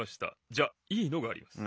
じゃいいのがあります。